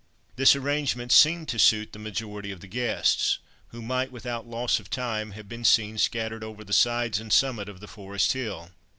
This arrangement seemed to suit the majority of the guests, who might, without loss of time, have been seen scattered over the sides and summit of the forest hill.